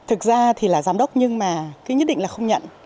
thực ra thì là giám đốc nhưng mà cái nhất định là không nhận